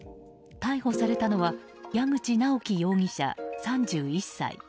逮捕されたのは矢口直樹容疑者、３１歳。